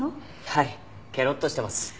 はいケロッとしてます。